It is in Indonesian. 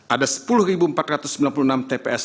ada sepuluh empat ratus sembilan puluh enam tps